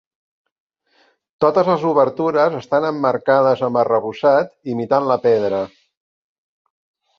Totes les obertures estan emmarcades amb arrebossat imitant la pedra.